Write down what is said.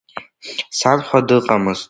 Санхәа дыҟамызт.